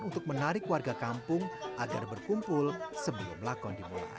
untuk menarik warga kampung agar berkumpul sebelum lakon dimulai